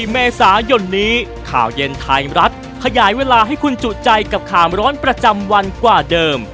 เมษายนนี้ข่าวเย็นไทยรัฐขยายเวลาให้คุณจุใจกับข่าวร้อนประจำวันกว่าเดิม